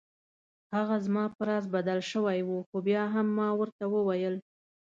هغه زما په راز بدل شوی و خو بیا هم ما ورته وویل.